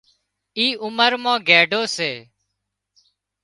اي عمر مان گئيڍو سي